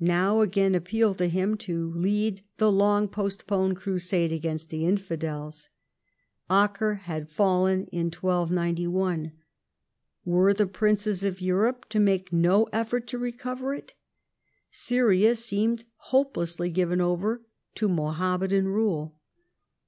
now again appealed to him to lead the long postponed Crusade against the infidels. Acre had fallen in 1291. Were the princes of Europe to make no effort to recover it, Syria seemed hopelessly given over to Mohammedan rule.